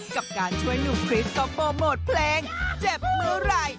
กับการช่วยหนุ่มคริสเขาโปรโมทเพลงเจ็บเมื่อไหร่